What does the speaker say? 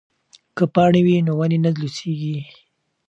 که پاڼې وي نو ونې نه لوڅیږي.